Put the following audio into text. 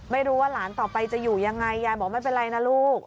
ไม่รู้ว่าหลานต่อไปจะอยู่ยังไงยายบอกไม่เป็นไรนะลูก